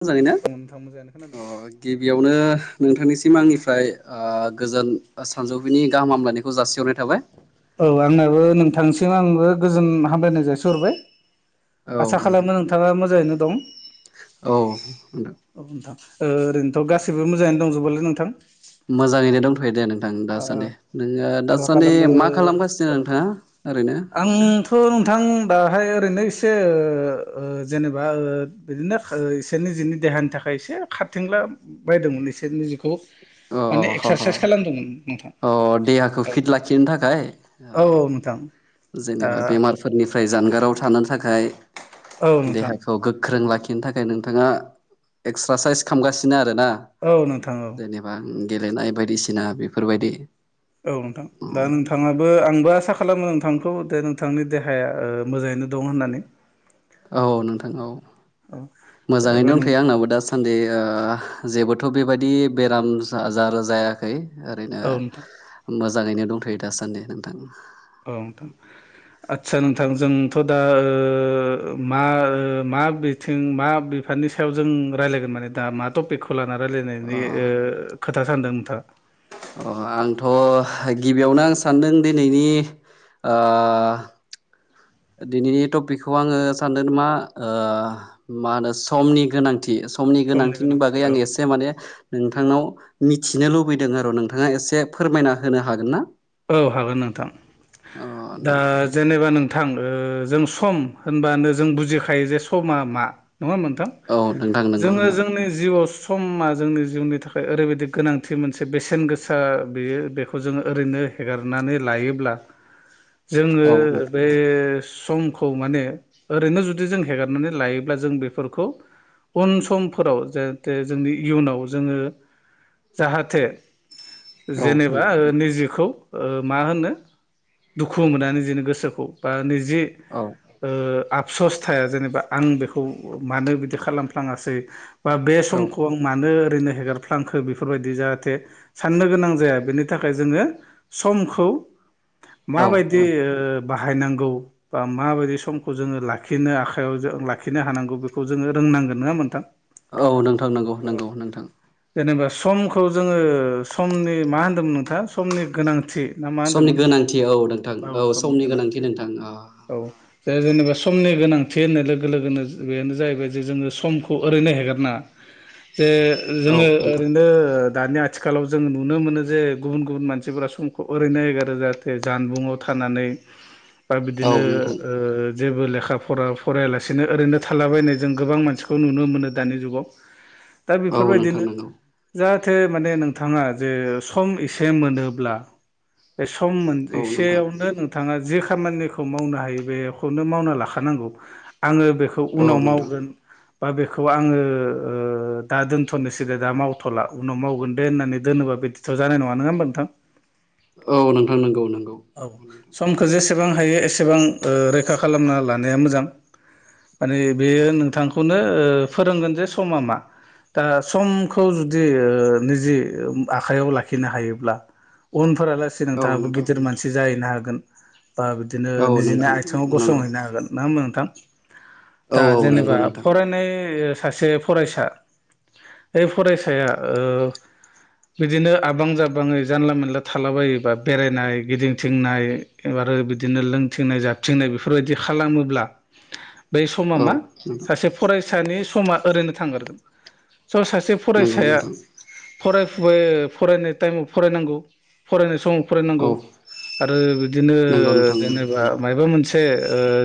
मोजाङै ना नोंथां मोजाङानो अ खोनादों। गिबियावनो नोंथांनिसिम सिम आंनिफ्राय आ गोजोन सानजौफिनि गाहाम हामलायनायखौ जासिहरनाय थाबाय औ आंनाबो नोंथांसिम आंबो गोजोन हामलायनाय जासिहरबाय औ आसा नोंथां खालामो नोंथाङा मोजाङैनो दं औ नोंथां औ नोंथां ओ ओरैनोथ' गासिबो मोजाङै दंजोबलै नोंथां मोजाङैनो दंथ'यो दे नोंथां दासान्दि नोङो आ [unintelligible] दासान्दि खालामो मा खालामगासिनो औ नोंथाङा ओरैनो आंथ' नोंथां दाहाय ओरैनो एसे ओ ओ जेनेबा ओ बिदिनो ओ इसे निजिनि देहानि थाखाय एसे खारथिंला बायदोंमोन एसे निजेखौ अ अ माने ह ह एक्सारसाइस खालामदोंमोन नोंथां अ देहाखौ औ फिट लाखिनो थाखाय अ औ नोंथां जेनेबा बेमारफोरनिफ्राय जानगाराव थानो थाखाय ओ औ नोंथां देहाखौ गोख्रों लाखि खिनो थाखाय नोंथाङा एक्सारसाइस खालामगासिनो आरो औ नोंथां औ गेलेनाय बायदिसिना बेफोरबायदि औ नोंथां दा नोंथाङाबो आंबो आसा खालामो नोंथांखौ दे नोंथांनि देहाया ओ मोजाङैनो दं होननानै औ नोंथां औ औ एबा मोजाङैनो नों दंथ'यो आंनाबो दासान्दि ओ जेबोथ' बेबायदि बेराम जार जायाखै ओरैनो औ नोंथां मोजाङैनो दंथ'यो दासान्दि नोंथां औ नोंथां आदसा नोंथां जोंथ' दा ओ मा ओ बिथिं मा बिफाननि सायाव जों रायज्लायगोन माने दा मा टपिकखौ ला ना अ रायलायनायनि खोथा सानदों नोंथाङा अ आंथ' गिबियावनो आं सानदों दिनैनि आ दिनैनि टपिकखौ आङो सानदों मा मा होनो समनि गोनांथि समनि गोनांथिनि गोनांथि बागै औ आं एसे माने नोंथांनाव मिथिनो लुबैदों आरो नोंथाङा एसे फोरमायना होनो हागोन ना? औ हागोन नोंथां अ दा नोंथां जेनेबा नोंथां ओ जों सम होनबानो जों बुजिखायो जे समा मा नङा होनबा नोंथां औ नोंथां नंगौ जोङो नोंथां जोंनि जिउआव समा जोंनि जिउनि थाखाय ओरैबायदि गोनांथि मोनसे बेसेन गोसा बियो बेखौ जोङो ओरैनो हेगारनानै लायोब्ला जोङो औ नोंथां बे समखौ माने ओरैनो जुदि जों हेगारनानै लायोब्ला जों बेफोरखौ उन समफोराव जाहाथे जोंनि इयुनाव जोङो जाहाथे औ जेनेबा नोंथां निजेखौ ओ मा होनो दुखु मोना निजेनि गोसोखौ बा निजि औ ओ आफसस थाया जेनेबा आं बेखौ मानो बिदि खालामफ्लाङासै बा बे औ समखौ आं मानो ओरैनो हेगारफ्लांखो बेफोर बायदि जाहाथे साननो गोनां जाया बेनि थाखाय जोङो समखौ औ माबायदि ओ बाहायनांगौ बा माबायदि समखौ जोङो लाखिनो आखायाव जों लाखिनो हानांगौ बेखौ जोङो रों नांगोन नङा होनमो नोंथां? औ नोंथां नंगौ नंगौ नोंथां जेनेबा समखौ जोङो समनि मा होन्दोमोन नोंथाङा समनि गोनांथि ना मा समनि होनदोंमोन? गोनांथि औ नोंथां औ समनि गोनांथि नोंथां आ औ जे जेनेबा समनि गोनांथि होननाय लोगो लोगोनो बेनो जाहैबाय जे जोङो समखौ ओरैनो हेगारनाङा [inaudible] जे औ जोङो नोंथां ओरैनो दानि आथिखालाव जों नुनो मोनो जे गुबुन गुबुन मानसिफोरा सम खौ ओरैनो एगारो जाहाथे जानबुङाव थानानै बा औ बिदिनो नोंथां ओ जेबो लेखा फरा फरायालासिनो ओरैनो थालाबायनाय जों गोबां मानसिखौ नुनो मोनो दानि जुगाव दा बेफोर औ नोंथां बायदिनो जा नंगौ जाहाथे माने नोंथाङा जे सम एसे मोनोब्ला बे सम मोन औ नोंथां एसेयावनो नोंथाङा जे खामानिखौ मावनो हायो बेखौनो मावना लाखानांगौ। आङो बेखौ औ उनाव नोंथां मावगोन बा बेखौ आङो ओ दा दोनथ'नोसैलाय दा मावथ'ला उनाव मावगोन दे होननानै दोनोबा बिदिथ' जानाय नङा नङा होमबा नोंथां? औ नोंथां नंगौ नों। औ समखौ जे सेबां हायो एसेबां ओ रैखा खालामना लानाया मोजां माने बेयो नोंथां खौनो फोरोंगोन जे समा मा? दा समखौ जुदि ओ निजे आखाइयाव लाखिनो हायोब्ला उनफोरा लासे नोंथाङाबो गिदिर औ मानसि जाहैनो हागोन बा बिदिनो नोंथां निजेनि आथिङाव नंगौ गसंहैनो हागोन नङा होमबा नोंथां औ दा नंगौ जेनेबा नोंथां फरायनाय सासे फरायसा ओ फरायसाया बिदिनो आबां जाबाङै जानला मोनानला थालाबायोबा बेरायनाय गिदिंथिंनाय एबार बिदिनो लोंथिंनाय जाथिंनाय बेफोरबायदि खालामोब्ला [inaudible] बै समा औ मा नोंथां सासे फरायसानि समा ओरैनो थांगारगोन ज' सासे नंगौ फरायसाया नोंथां फरायफुबाय फरायनाय टाइमाव फरायनांगौ फरायनाय समाव औ फरायनांगौ आरो बिदिनो नंगौ नोंथां जेनेबा म मोन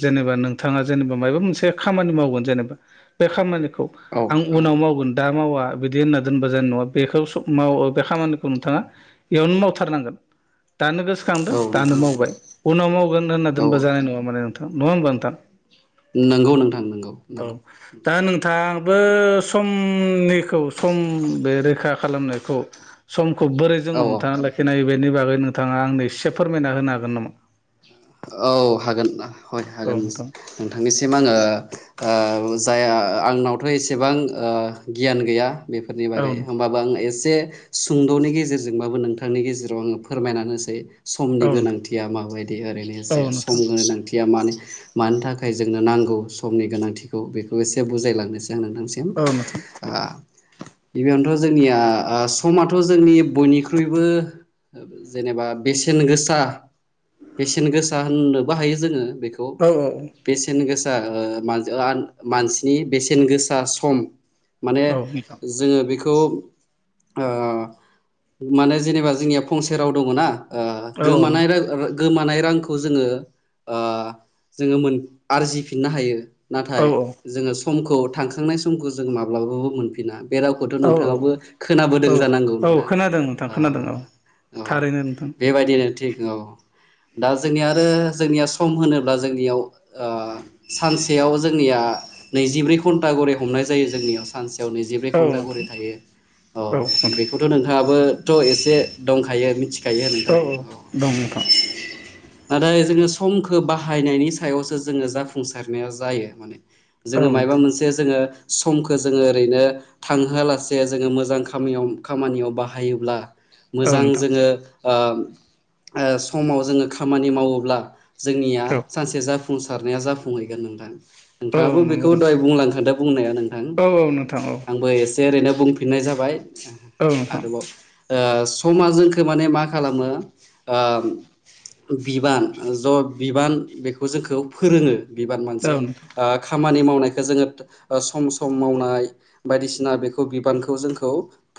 जेबा नोंथाङा जेनेबा मा मोनसे खामानि मावगोन जेनेबा बे ख खौ औ आं उनाव मावगोन दा मावा बिदि होनना दोनबा जानाय नङा बेखौ माव बे खामानिखौ नोंथाङा इयावनो मावथारनांगोन थानखौ खांदों औ दानो नोंथां मावबाय उनाव मावगोन होनना औ दोनबा जानाय नङा माने नोंथां नङा होमबा नोंथां नंगौ नोंथां नोंगौ नंगौ औ दा नोंथाङो समनिखौ सम बे रोखा खालामनायखौ समखौ बोरै जोङो औ औ हमथा लाखिनाय हायो बेनि बागै नोंथाङा आंनि एसे फोरमायना होनो हागोन नामा औ हागोन हय औ हागोन नोंथां नोंथांनिसिम आङो जाया आंनावथ' एसेबां गियान गैया बेफोरनि औ बागै होमबाबो आं एस एसे सुंद'नि गेजेरजोंबाबो नोंथांनि गेजेराव आङो फोरमायनानैसै औ समनि नोंथां गोनांथिया माबायदि औ ओरैनोसे सम नोंथां गोनांथिया म मानि थाखाय जोंनो नांगौ समनि गोनांथिखौ बेखौ एसे बुजायलांनोसै जों नोंथांसिम औ नोंथां बेबियावनोथ' जोंनिया समथ' जोंनि बयनिख्रुइबो जेनेबा बेसेन गोसा बेसेन गोसा होननो बो हायो जोङो बेखौ औ बेसेन गोसा आसा मानसिनि बेसेन गोसा सम माने औ नोंथां जोङो बेखौ खौ माने जेनेबा जोंनिया फंसे राव दङ ना गोमानाय औ गोमानाय रांखौ जोङो आरजिफिनो हायो औ नाथाय जो समखौ थांखांनाय समखौ जों माब्लाबाबो मोनफिना बे रावखौथ' नोंथाङाबो औ औ खोनाबोदों जानांगौ औ नां खोनादों नोंथां खोनादों औ औ थारैनो नोंथां बेबायदिनो थिग औ दा जनि जोंनि सम होनोब्ला जोंनियाव सानसेयाव जोंनि नैजिब्रै घन्टा रे हमनाय जायो जोंनियाव सानसे निजिब्रै औ घन्टा नोंथां घरि थायो औ बेखौथ' नोंथाङाबो थ' एसे दंखायो मिथिखायो नोंथां औ नाथाय जोङो समखौ बाहायनायनि सायावसो जोङो जाफुंसारनाया जायो माने औ जोङो नोंथां माबा मोनसे जोङो समखौ जोङो ओरैनो थांहोआलासे जोङो मोजां खामयाव खामानियाव बाहायोब्ला औ मोजां नोंथां जोङो ओ ओ समाव जोङो खामानि मावोब्ला जोंनिया औ सानसे जाफुंसारनाया जाफुंहैगोन नोंथां औ नोंथाङाबो नंगौ बेखौ नोंथां दहाय बुंलांखादों बुंनाया नोंथां औ ओ औ नोंथां औ आंबो एसे ओरैनो बुं फिननाय जाबाय औ नोंथां आरोबाव ओ समा जोंखौ माने मा खालामो ओ बिबान ज' बिबान बेखौ जोंखौ फोरोङो बिबान औ मोनसे नोंथां ओ खा मानि मावनायखौ जोङो सम सम मावनाय बायदिसिना बेखौ बिबानखौ जोंखौ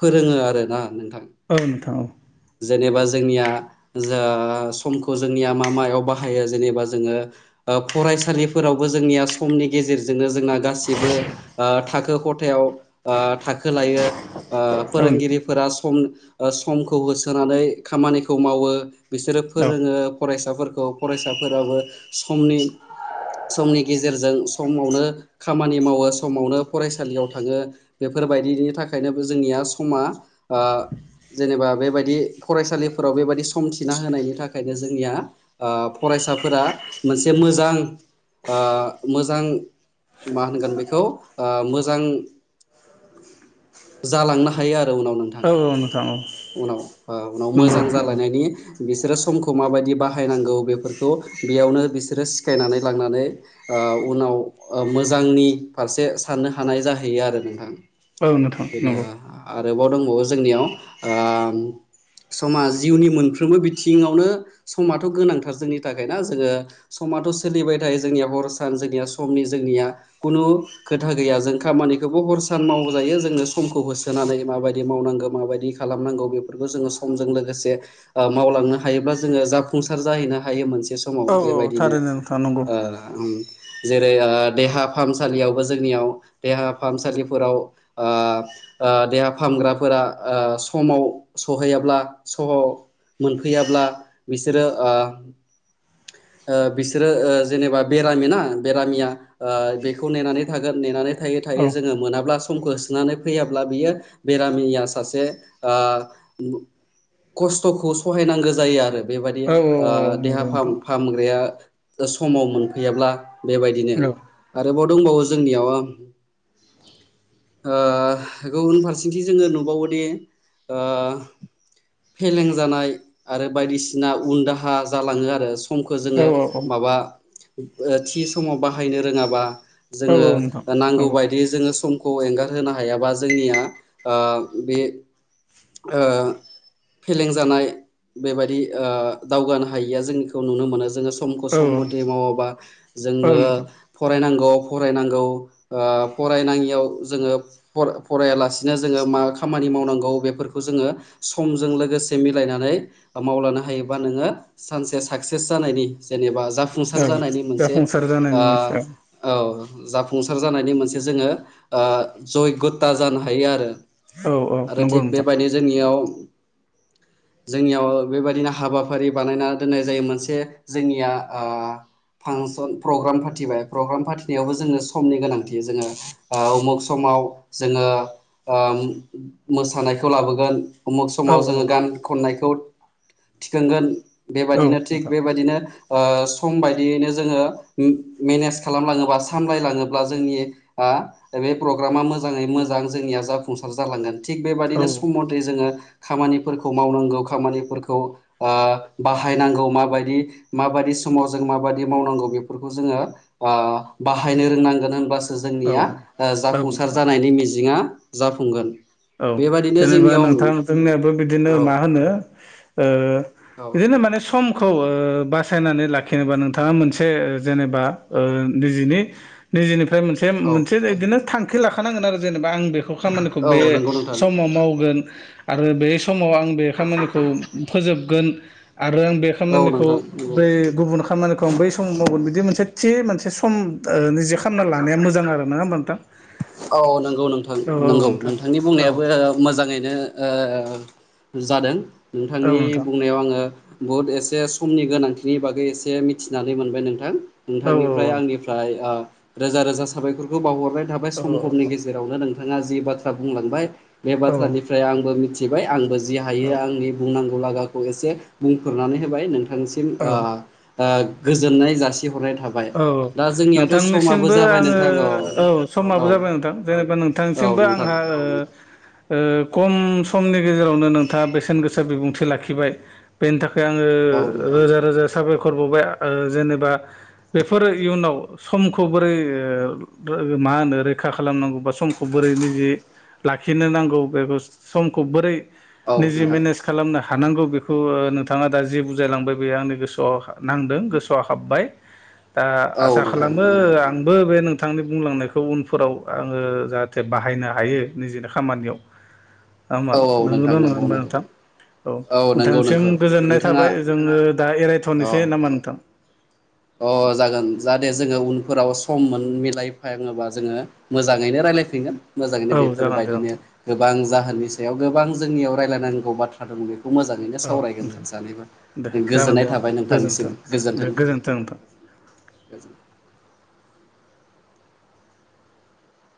फोरोङो आरोना नोंथां औ नोंथां औ जेनेबा जोंनिया ओ समखौ जोंनिया मा मायाव बाहायो जेनेबा जोङो ओ फरायसालिफोरावबो जोंनिया समनि गेजेर जेरजोंनो जोंना गासिबो थाखो खथायाव ओ थाखो लायो ओ औ फोरोंगिरिफोरा सम ओ समखौ होसोनानै खामानिखौ मावो बिसोरो फोरोङो फराय साफोरखौ फरायसाफोराबो समनि समनि गेजेरजों समावनो खामानि मावो समावनो फरायसालियाव थाङो बेफो फोर बायदिनि थाखायनोबो जोंनिया समा ओ जेनेबा बेबायदि फरायसालिफोराव बेबायदि सम थिना होनायनि था खायनो जोंनिया ओ फरायसाफोरा मोनसे मोजां ओ मोजां मा होनगोन बेखौ ओ मोजां जालांनो हायो आरो उनाव नोंथां औ नोंथां औ उनाव उनाव नंगौ मोजां नंगौ जालायनायनि बिसोरो समखौ माबायदि बाहायनांगौ बेफोरखौ बेयावनो बिसोरो सिखायनानै लांनानै ओ उनाव ओ मोजांनि फारसे साननो हानाय जाहैयो आरो नोंथां औ नोंथां बेनो नंगौ आरोबाव दं बावो जोंनियाव ओ समा जिउनि मोनफ्रोमबो बिथिं थिवनो समाथ' गोनांथार जोंनि थाखाय ना जोङो समाथ' सोलिबाय थायो जोंनिया हर सान निया समनि जोंनिया खुनु खोथा गैया जों खामानिखौबो हर सान मावजायो जोङो समखौ बो सोनानै माबायदि मावनांगौ माबायदि खालामनांगौ बेफोरखौ जोङो समजों लोगोसे ओ मावलांनो हायोब्ला जोङो जाफुंसार जाहैनो हायो मोनसे समाव औ औ बेबायदिनो थारैनो नोंथां नंगौ ओ उम जेरै ओ देहा फाहामसालियावबो जोंनियाव देहा फाहामसालिफोराव ओ ओ देहा फाहामग्राफोरा ओ समाव सहैयाब्ला सह' मोन फैयाब्ला बिसोरो ओ ओ बिसोरो ओ जेनेबाओ बेरामिना बेरामिया ओ बेखौ नेनानै थागोन नेनानै थायो औ थायो औ जोङो मोनाब्ला समखौ होसोनानै फैयाब्ला बियो बेरामिनिया सासे ओ खस्थ'खौ सहायनांगौ जायो आरो बेबायदि औ औ ओ देहा नंगौ फाहाम नोंथां फाहामग्राया समाव मोनफैयाब्ला बेबायदिनो औ आरोबाव दंबावो जोंनियाव ओं ओ गुबुन फारसेथिं जोङो नुबावोदि ओ फेलें जानाय आरो बायदिसिना उन दाहा जालाङो आरो समखौ औ जोङो माबा ओ थि समाव बाहायनो रोङाबा औ जोङो औ नोंथां नांगौ नंगौ बाय दि जोङो समखौ एंगारहोनो हायाबा जोंनिया आ बे ओ फेलें जानाय बेबायदि ओ दावगानो हायिया जोंनिखौ नुनो मोनो जोङो समखौ औ सम मथै मावाबा औ जोङो नोंथां फरायनां गौ फरायनांगौ ओ फरायनाङियाव जोङो फर फरायलासिनो जोङो मा खामानि मावनांगौ बेफोरखौ जोङो समजों लोगोसे मिलायनानै मावलांनो हायोबा नोङो सानसे साक्सेस जानायनि जेनेबा जाफुंसार औ जानायनि मोनसे जाफुंसार ओ जानायनि मोनसे औ जाफुंसार जानायनि मोनसे जोङो जग्यथा जानो हायो आरो औ औ आरो नंगौ थिग नोंथां बेबायदिनो जोंनियाव जोंनियाव बेबायदिनो हाबाफारि बानायना दोननाय जायो मोनसे जोंनिया ओ फांसन प्रग्राम फाथिबाय प्रग्राम फाथिनायावबो जोङो समनि गोनांथि जोङो उमुख समा व जोङो मोसानायखौ लाबोगोन उमुख औ समाव औ जोङो गान खननायखौ थिखांगोन औ बेबायदिनो थिग नोंथां बेबायदिनो सम बायदियैनो जोंङो मेनेज खालामलांङोबा सामलायलाङोब्ला जोंनि बे प्रग्रामा मोजांङै मोजां जोंनिया जाफुंसार जालांगोन थिग औ बेबादिनो सम मथेै जोंङो खामानिफोरखौ मावनांगौ खामानिफोरखौ बाहायनांगौ मायदि माबायदि समाव जों मा बायदि मावनांगौ बेफोरखौ जों बाहायनो रोंनांगोन औ जोंनिया औ जाफुंसार नोंथां जानायनि मिजिंया जाफुंगोन औ बेबादिनो जेनेबा जोंनियाव नोंथांनियाबो बिदिनो औ मा होनो ओ औ बिदिनो माने समखौ बासायनानै लाखिनोबा नोंथांङा मोनसे जेनेबा निजिनि निजेनिफ्राय मोनसे औ मोनसे बिदिनो थांखि लाखानांगोन आरो जेनेबा आं बेखौ खामानिखौ बे औ नंगौ नोंथां समाव मावगोन आरो बे समाव आं बे खामानिखौ फोजोबगोन आरो आं बे औ खामानिखौ नोंथां नंगौ बै गुबुन खामानिखौ आं बै सम मावगोन बिदि मोनसे थि मोनसे सम निजे खालामना लानाया मोजां आरो नंङा होमबा नोंथां औ नंगौ नोंथां औ औ नंगौ नोंथां नोंथांनि औ बुंनायाबो मोजांङैनो जादों औ नोंथांनि नोंथां बुंनायाव आंङो बुहुद एसे समनि गोनांथिनि बागै एसे मिथिनानै मोनबाय नोंथां औ नोंथांनिफ्राय आंनिफ्राय रोजा रोजा साबायखरखौ बावहरनाय थाबाय सम समनि गेजेरावनो नोंथांङा जि बाथ्रा बुंलांबाय बे औ बाथ्रानिफ्राय आंबो मिथिबाय आंबो जि औ हायो आंनि बुंनांगौ लागाखौ एसे बुंफोरनानै होबाय नोंथां बिथांसिम औ औ गोजोननाय जासि थिहरनाय थाबाय औ दा जोंनियाथ' समाबो नोंथांनिसिमबो जाबाय आङो नोंथां औ समाबो औ जाबाय नोंथां जेनेबा औ नोंथांसिमबो नोंथां आंहा खम समनि गेजेरावनो नोंथांङा बेसेन गोसा बिबुंथि लाखिबाय बेनि थाखाय आंङो औ नोंथां रोजा रोजा साबायखर बावबाय जेनेबा बेफोरो इयुनाव समखौ बोरै मा होनो रैखा खालामनांगौ बा समखौ बोरै निजि लाखिनो नांगौ बेखौ समखौ बोरै औ निजे नोंथां मेनेज खालामनो हा थानांगौ बेखौ नोंथांङा दा जि बुजायलांबाय बे आंनि गोसोआव नांदों गोसोआ हाबबाय दा औ आसा नोंथां खालामो नंगौ आंबो बे बिथांनि बुंलांनायखौ उनफोराव आंङो जाहाथे बाहायनो हायो निजिनि खामानियाव [inaudible] हामा औ नोंथां नंगौन' नंङा नंगौ नंगौ नोंथां औ नंगौ नोंथांसिम नंगौ गोजोननाय नोंथाङा थाबाय जोंङो दा औ एरायथ'नोसै नामा नोंथां अ जागोन जा दे जोंङो उन फोराव सम मोन मिलायफाङोबा जोंङो मोजांङैनो रायज्लायफिनगोन मोजांङैनो औ जागोन दे बेफोरबायदिनो नोंथां गोबां जाहोननि सायाव गोबां जोंनियाव रायज्लायनांगौ बाथ्रा दं बे खौ मोजांङैनो औ सावरायगोन जों नोंथां सानैबो दे जागोन दे गोजोननाय नोंथां थाबाय गोजोन्थों नोंथांनिसिम दे गोजोन्थों नोंथां